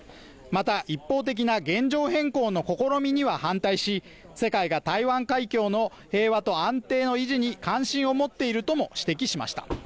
また、一方的な現状変更の試みには反対し、世界が台湾海峡の平和と安定の維持に関心を持っているとも指摘しました。